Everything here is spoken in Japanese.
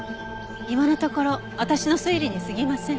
今のところ私の推理に過ぎません。